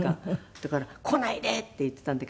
だから「来ないで」って言っていたんだけど。